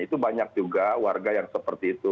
itu banyak juga warga yang seperti itu